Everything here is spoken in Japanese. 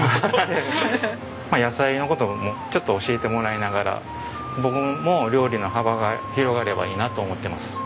まあ野菜の事もちょっと教えてもらいながら僕も料理の幅が広がればいいなと思ってます。